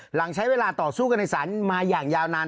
หลังใช้เวลาต่อสู้กันในศาลมาอย่างยาวนาน